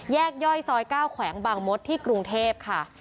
ย่อยซอย๙แขวงบางมดที่กรุงเทพค่ะ